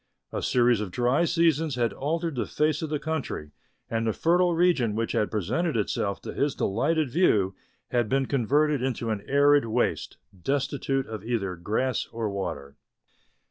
A series of dry seasons had altered the face of the country, and the fertile region which had presented itself to his delighted view had been converted into an arid waste, destitute of either grass or water.